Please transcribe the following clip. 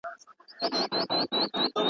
د ښار خلک د حیرت ګوته په خوله وه.